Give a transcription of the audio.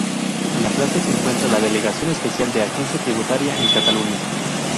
En la plaza se encuentra la Delegación Especial de la Agencia Tributaria en Cataluña.